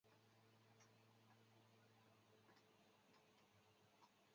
朗托斯克。